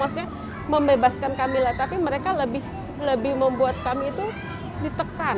maksudnya membebaskan kami lah tapi mereka lebih membuat kami itu ditekan